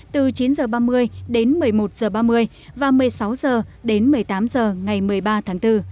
từ chín h ba mươi đến một mươi một h ba mươi và một mươi sáu h đến một mươi tám h ngày một mươi ba tháng bốn